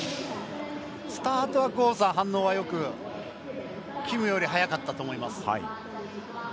スタートは郷さん、反応がよくキムより速かったと思います。